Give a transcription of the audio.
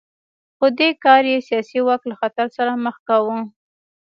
خو دې کار یې سیاسي واک له خطر سره مخ کاوه